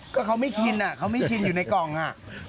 ก็เขาไม่ชินอ่ะเขาไม่ชินอยู่ในกล่องอ่ะ